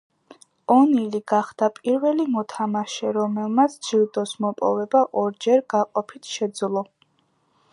ონილი გახდა პირველი მოთამაშე, რომელმაც ჯილდოს მოპოვება ორჯერ გაყოფით შეძლო.